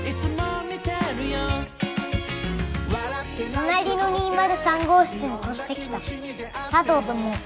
隣の２０３号室に越してきたさとうと申す。